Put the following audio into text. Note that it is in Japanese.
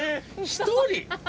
１人？